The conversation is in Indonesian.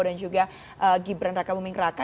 dan juga gibran raka buming raka